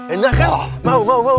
enak kan mau mau mau